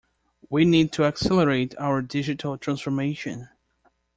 We need to accelerate our digital transformation.